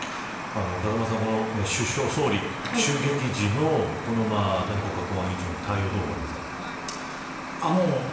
風間さん、この総理襲撃時の谷国家公安委員長の対応をどう思われますか。